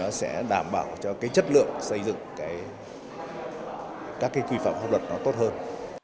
và nó sẽ đảm bảo cho các cái chất lượng xây dựng các cái quy phạm hợp luật nó tốt hơn